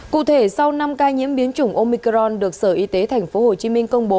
cụ thể sau năm ca nhiễm biến chủng omicron được sở y tế thành phố hồ chí minh công bố